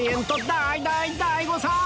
大大大誤算！